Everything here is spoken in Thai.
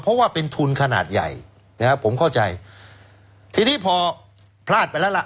เพราะว่าเป็นทุนขนาดใหญ่นะครับผมเข้าใจทีนี้พอพลาดไปแล้วล่ะ